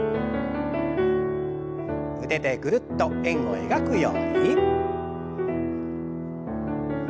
腕でぐるっと円を描くように。